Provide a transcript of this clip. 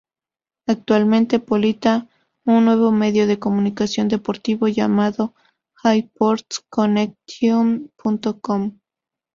Actualmente pilota un nuevo medio de comunicación deportivo llamado allsportsconnection.com.